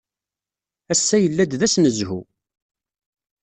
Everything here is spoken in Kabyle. Ass-a yella-d d ass n zzhu.